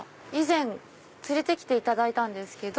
以前連れて来ていただいたんです。